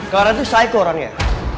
karena itu saiko orangnya